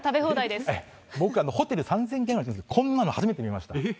僕、ホテル３０００軒歩いたんですけど、こんなの初めて見ました。